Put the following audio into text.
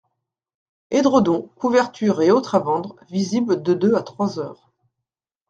Édredons, couvertures et autres à vendre, visible de deux à trois heures.